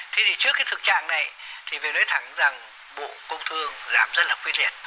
thế thì trước cái thực trạng này thì phải nói thẳng rằng bộ công thương làm rất là quy duyệt